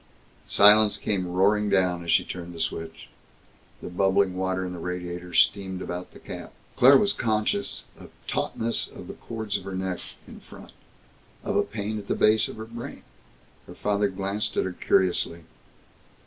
Silence came roaring down as she turned the switch. The bubbling water in the radiator steamed about the cap. Claire was conscious of tautness of the cords of her neck in front; of a pain at the base of her brain. Her father glanced at her curiously.